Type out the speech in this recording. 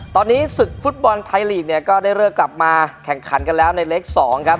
ตอนนี้ศึกฟุตบอลไทยลีกเนี่ยก็ได้เลิกกลับมาแข่งขันกันแล้วในเล็ก๒ครับ